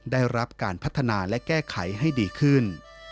ได้รับการพัฒนาและแก้ไขให้ดีขึ้น